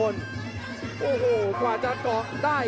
แรกกันมันจริงครับผู้ดี